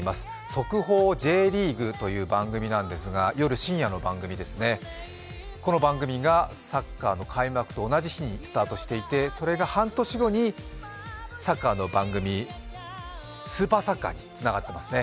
「速報Ｊリーグ」という番組なんですが、深夜の番組ですね、この番組がサッカーの開幕と同じ日にスタートしていてそれが半年後にサッカーの番組、「ＳＵＰＥＲＳＯＣＣＥＲ」につながってますね。